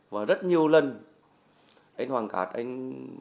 và rất nhiều lần anh hoàng cát anh